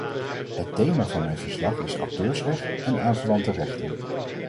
Het thema van mijn verslag is auteursrecht en aanverwante rechten.